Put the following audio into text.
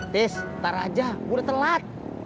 tis tar aja udah telat